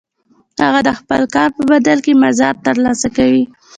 هغه د خپل کار په بدل کې مزد ترلاسه کوي